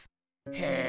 へえ。